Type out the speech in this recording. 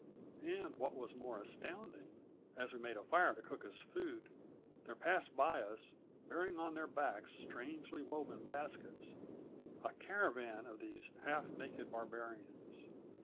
"And, what was more astounding, as we made a fire to cook us food, there passed by us bearing on their backs strangely woven baskets, a caravan of these half naked barbarians.